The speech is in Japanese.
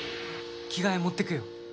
着替え持ってくよ。